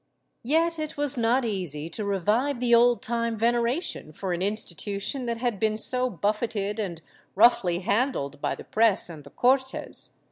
Yet it was not easy to revive the old time veneration for an institution that had been so buffeted and roughly handled by the press and the Cortes.